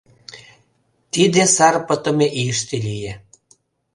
Тиде сар пытыме ийыште лие.